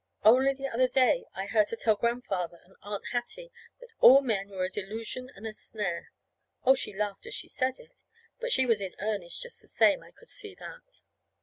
Only the other day I heard her tell Grandfather and Aunt Hattie that all men were a delusion and a snare. Oh, she laughed as she said it. But she was in earnest, just the same. I could see that.